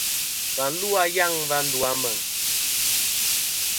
Và lu a yaŋ a va ndu a Meŋ.